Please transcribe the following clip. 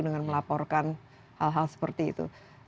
dengan melaporkan hal hal seperti itu